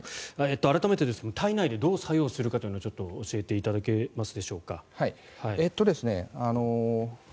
改めてですが体内でどう作用するかというのを教えていただけますでしょうか。